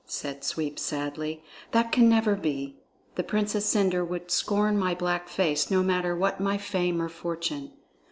said Sweep sadly, "that can never be. The Princess Cendre would scorn my black face, no matter what my fame or fortune."